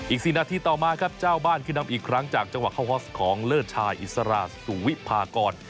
อีกสี่นาทีต่อมาครับเจ้าบ้านคืนนำอีกครั้งจากเจ้าหวัดเข้าฮอสของเลิศชายศรัสสูวิภากร